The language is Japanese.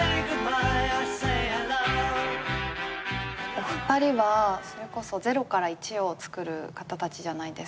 お二人はそれこそ０から１をつくる方たちじゃないですか。